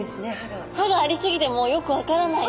歯がありすぎてもうよく分からない。